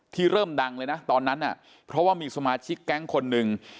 เริ่มดังเลยนะตอนนั้นน่ะเพราะว่ามีสมาชิกแก๊งคนหนึ่ง